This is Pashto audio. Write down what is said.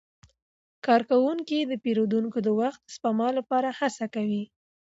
کارکوونکي د پیرودونکو د وخت د سپما لپاره هڅه کوي.